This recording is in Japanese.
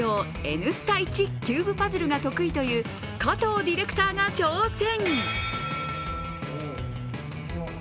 「Ｎスタ」一キューブパズルが得意という加藤ディレクターが挑戦。